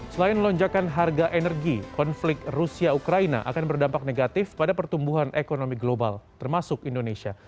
selain lonjakan harga energi konflik rusia ukraina akan berdampak negatif pada pertumbuhan ekonomi global termasuk indonesia